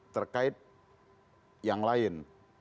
terkait yang lain